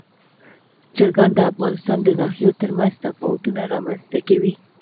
چرګان د افغانستان د ناحیو ترمنځ تفاوتونه رامنځ ته کوي.